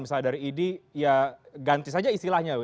misalnya dari idi ya ganti saja istilahnya